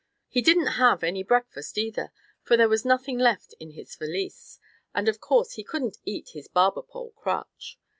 He didn't have any breakfast either, for there was nothing left in his valise, and of course he couldn't eat his barber pole crutch.